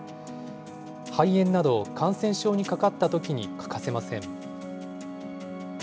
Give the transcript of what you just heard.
肺炎など、感染症にかかったときに、欠かせません。